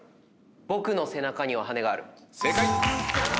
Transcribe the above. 『ボクの背中には羽根がある』正解！